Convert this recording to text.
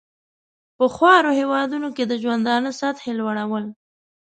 په خوارو هېوادونو کې د ژوندانه سطحې لوړول.